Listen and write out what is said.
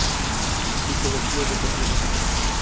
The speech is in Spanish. Psicología Educativa.